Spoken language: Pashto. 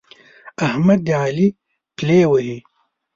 احمد د علي پلې وهي.